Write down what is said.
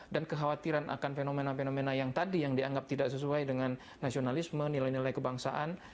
dan kekhawatiran akan fenomena fenomena yang tadi yang dianggap tidak sesuai dengan nasionalisme nilai nilai kebangsaan